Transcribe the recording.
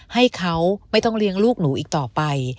ให้เขาไม่ต้องเลี้ยงลูกหนูอีกต่อไป